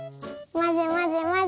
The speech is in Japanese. まぜまぜまぜ。